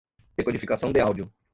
decodificação de áudio